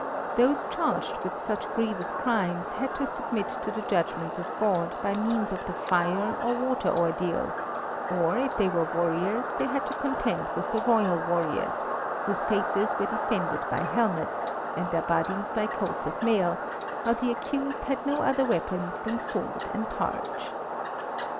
Those charged with such grievous crimes had to submit to the judgments of God by means of the fire or water ordeal, or if they were warriors they had to contend with the royal warriors, whose faces were defended by helmets, and their bodies by coats of mail, while the accused had no other weapons than sword and targe.